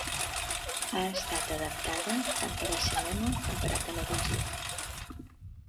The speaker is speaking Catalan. Ha estat adaptada tant per a cinema com per a televisió.